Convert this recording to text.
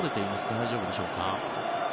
大丈夫でしょうか。